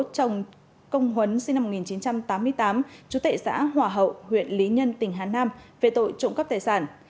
trong công huấn sinh năm một nghìn chín trăm tám mươi tám chủ tệ xã hòa hậu huyện lý nhân tỉnh hán nam về tội trộm cấp tài sản